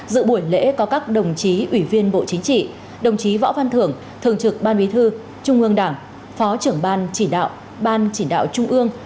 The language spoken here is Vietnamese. dự buổi lễ có các đồng chí ủy viên bộ chính trị đồng chí võ văn thưởng thường trực ban bí thư trung ương đảng phó trưởng ban chỉ đạo ban chỉ đạo trung ương